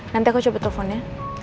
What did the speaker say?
nanti aku coba telfon ya